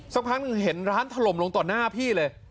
สักพักหนึ่งเห็นร้านถล่มลงต่อหน้าพี่เลย